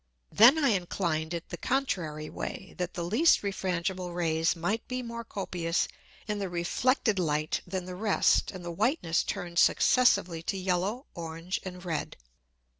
Then I inclined it the contrary Way, that the least refrangible Rays might be more copious in the reflected Light than the rest, and the Whiteness turned successively to yellow, orange, and red.